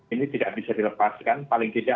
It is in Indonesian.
ini tidak bisa dilepaskan paling tidak